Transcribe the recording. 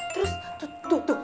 terus tuh tuh tuh